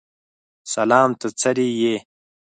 سلام ته څرې یې؟